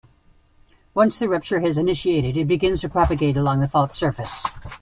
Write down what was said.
Once the rupture has initiated, it begins to propagate along the fault surface.